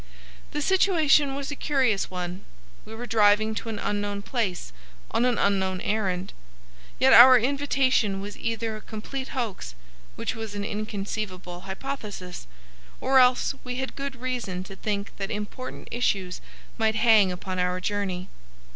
The situation was a curious one. We were driving to an unknown place, on an unknown errand. Yet our invitation was either a complete hoax,—which was an inconceivable hypothesis,—or else we had good reason to think that important issues might hang upon our journey.